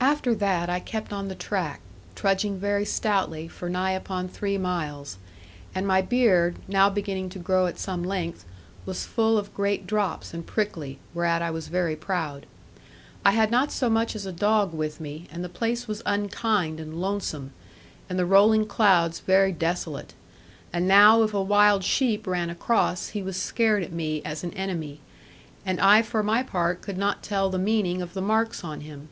After that I kept on the track, trudging very stoutly, for nigh upon three miles, and my beard (now beginning to grow at some length) was full of great drops and prickly, whereat I was very proud. I had not so much as a dog with me, and the place was unkind and lonesome, and the rolling clouds very desolate; and now if a wild sheep ran across he was scared at me as an enemy; and I for my part could not tell the meaning of the marks on him.